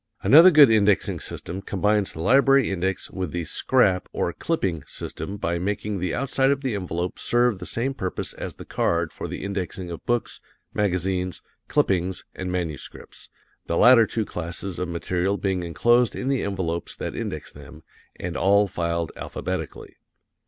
Another good indexing system combines the library index with the "scrap," or clipping, system by making the outside of the envelope serve the same purpose as the card for the indexing of books, magazines, clippings and manuscripts, the latter two classes of material being enclosed in the envelopes that index them, and all filed alphabetically.